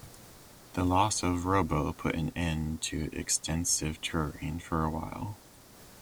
The loss of Robo put an end to extensive touring for a while.